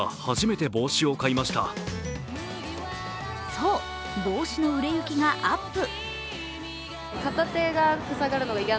そう、帽子の売れ行きがアップ。